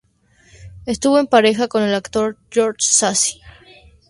Estuvo en pareja con el actor Jorge Sassi.